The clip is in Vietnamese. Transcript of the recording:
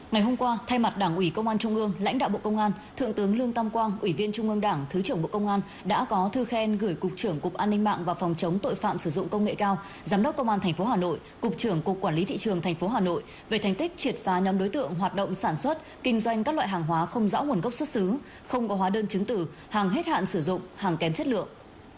ngày hôm qua thay mặt đảng ủy công an trung ương lãnh đạo bộ công an thượng tướng lương tâm quang ủy viên trung ương đảng thứ trưởng bộ công an đã có thư khen gửi cục trưởng cục an ninh mạng và phòng chống tội phạm sử dụng công nghệ cao giám đốc công an tp hà nội cục trưởng cục quản lý thị trường tp hà nội về thành tích triệt phá nhóm đối tượng hoạt động sản xuất kinh doanh các loại hàng hóa không rõ nguồn gốc xuất xứ không có hóa đơn chứng tử hàng hết hạn sử dụng hàng kém chất lượng